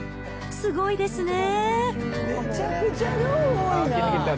すごいですね。